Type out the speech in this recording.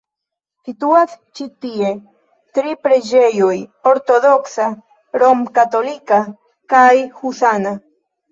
Situas ĉi tie tri preĝejoj: ortodoksa, romkatolika kaj husana.